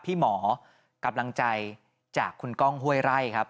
พี่หมอกำลังใจจากคุณก้องห้วยไร่ครับ